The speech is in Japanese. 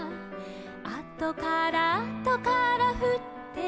「あとからあとからふってきて」